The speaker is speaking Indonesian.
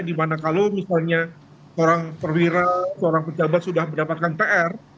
dimana kalau misalnya orang perwira seorang pejabat sudah mendapatkan pr